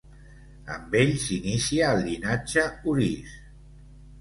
Amb ell s'inicia el llinatge Orís.